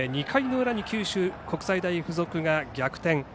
２回の裏に九州国際大付属が逆転。